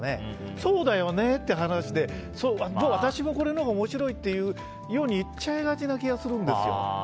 そうだよねって話で私もこれ面白いっていうように言っちゃいがちな気がするんですよ。